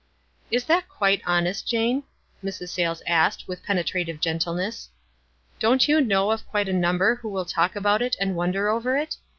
"Is that quite honest, Jane?" Mrs. Sayles asked, with penetrative gentleness. "Don't you know of quite a number who will talk about it, and wonder over it?